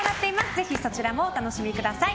ぜひ、そちらもお楽しみください。